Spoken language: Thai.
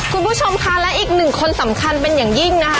คุณผู้ชมค่ะและอีกหนึ่งคนสำคัญเป็นอย่างยิ่งนะคะ